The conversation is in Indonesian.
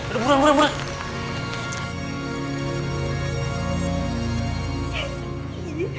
udah buruan buruan buruan